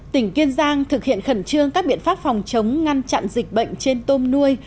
tỉnh kiên giang thực hiện khẩn trương các biện pháp phòng chống ngăn chặn dịch bệnh trên tôm nuôi